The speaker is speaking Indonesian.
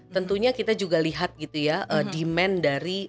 tentunya kita juga lihat gitu ya demand dari